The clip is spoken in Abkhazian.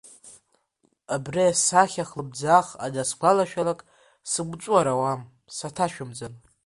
Абри асахьа хлымӡаах анаасгәалашәалакь, сымҵәуар ауам, саҭашәымҵан…